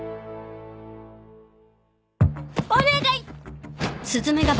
お願い